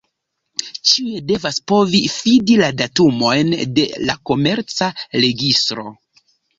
Ĉiuj devas povi fidi la datumojn de la Komerca registro.